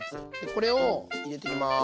これを入れていきます。